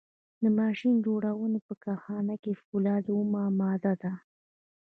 د ماشین جوړونې په کارخانه کې فولاد اومه ماده ده.